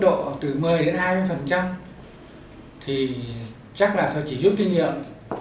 theo tôi thì nếu mà mức độ từ một mươi đến hai mươi thì chắc là tôi chỉ dưới kinh nghiệm